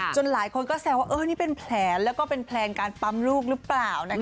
หลายคนก็แซวว่านี่เป็นแผลแล้วก็เป็นแพลนการปั๊มลูกหรือเปล่า